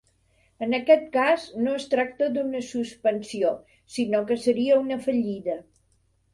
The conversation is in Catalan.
En aquest cas no es tracta d'una suspensió, sinó que seria una fallida.